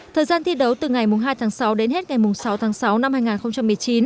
thời gian thi đấu từ ngày hai tháng sáu đến hết ngày sáu tháng sáu năm hai nghìn một mươi chín